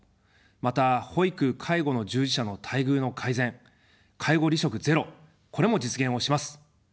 また、保育・介護の従事者の待遇の改善、介護離職ゼロ、これも実現をします。